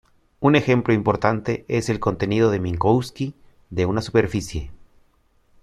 Un ejemplo importante es el contenido de Minkowski de una superficie.